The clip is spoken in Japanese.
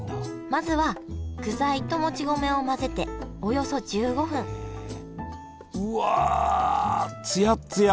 まずは具材ともち米を混ぜておよそ１５分うわつやっつや！